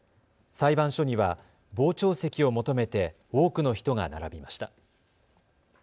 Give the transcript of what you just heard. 裁判所には傍聴席を求めて多くの人が並びました。